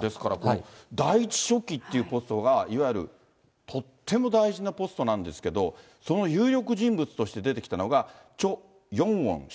ですから第１書記っていうポストがいわゆるとっても大事なポストなんですけれども、その有力人物として出てきたのが、チョ・ヨンウォン氏。